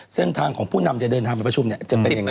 เส้นทางของผู้นำจะเดินทางไปประชุมจะเป็นอย่างไร